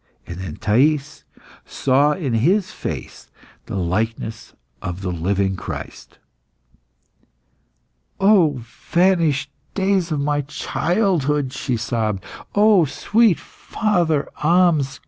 And then Thais saw in his face the likeness of the living Christ. "O vanished days of my childhood!" she sobbed. "O sweet father Ahmes!